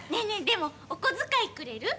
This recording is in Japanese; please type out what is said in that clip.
でもお小遣いくれる？